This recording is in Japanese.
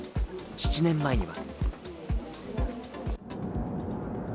７年前には。